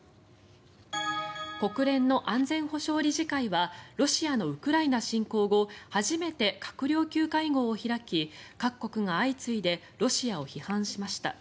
国連の安全保障理事会はロシアのウクライナ侵攻後初めて閣僚級会合を開き各国が相次いでロシアを批判しました。